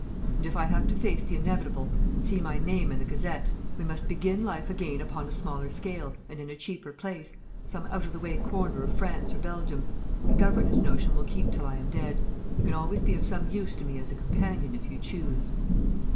And if I have to face the inevitable, and see my name in the Gazette, we must begin life again upon a smaller scale, and in a cheaper place some out of the way corner of France or Belgium. The governess notion will keep till I am dead. You can always be of some use to me as a companion, if you choose."